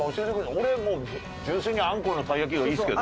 俺もう純粋にあんこのたい焼きがいいですけど。